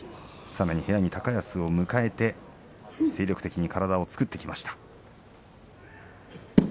さらに部屋に高安を迎えて精力的に体を作ってきました。